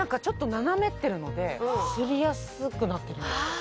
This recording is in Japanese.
ちょっと斜めってるのですりやすくなってるんです。